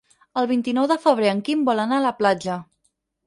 El vint-i-nou de febrer en Quim vol anar a la platja.